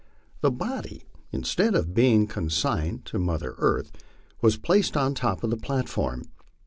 The body, instead of being consigned to mother earth, was placed on top of the platform.